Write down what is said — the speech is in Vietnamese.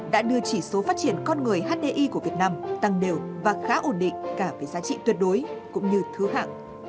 đã đưa chỉ số phát triển con người hdi của việt nam tăng đều và khá ổn định cả về giá trị tuyệt đối cũng như thứ hạng